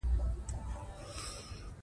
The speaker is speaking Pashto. علم انسان ته د تصمیم نیولو قوت ورکوي.